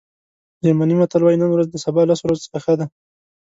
جرمني متل وایي نن ورځ د سبا لسو ورځو څخه ښه ده.